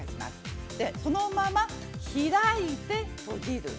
このまま開いて閉じる。